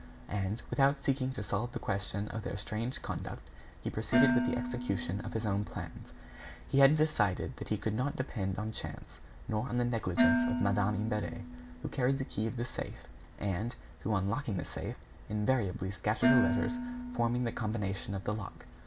And, without seeking to solve the question of their strange conduct, he proceeded with the execution of his own plans. He had decided that he could not depend on chance, nor on the negligence of Madame Imbert, who carried the key of the safe, and who, on locking the safe, invariably scattered the letters forming the combination of the lock.